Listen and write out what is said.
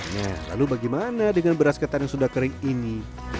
nah lalu bagaimana dengan beras ketan yang sudah kering ini